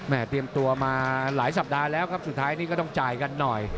เตรียมตัวมาหลายสัปดาห์แล้วครับสุดท้ายนี่ก็ต้องจ่ายกันหน่อย